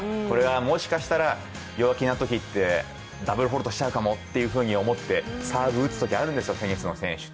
もしかしたら弱気なときってダブルフォルトしちゃうかもって、サーブ打つときあるんですよ、テニスの選手って。